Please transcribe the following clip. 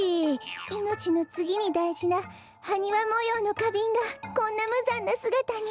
いのちのつぎにだいじなはにわもようのかびんがこんなむざんなすがたに。